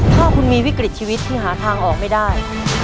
ถ้าคุณมีวิกฤตชีวิตที่หาทางออกไม่ได้